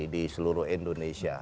di seluruh indonesia